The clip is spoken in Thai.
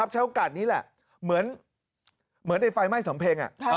ใช้โอกาสนี้แหละเหมือนในไฟไหม้สำเพ็ง